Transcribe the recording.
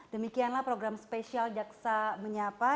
demikianlah program spesial jaksa menyapa